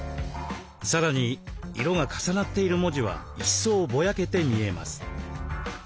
さらに色が重なっている文字は一層ぼやけて見えます。